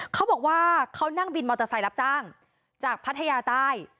เขาบอกว่าเขานั่งบินมอเตอร์ไซค์รับจ้างจากพัทยาใต้